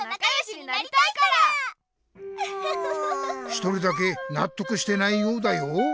１人だけなっとくしてないようだよ。